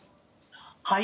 はい。